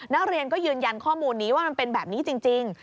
นักเรียนก็ยืนยันข้อมูลนี้ว่ามันเป็นแบบนี้จริง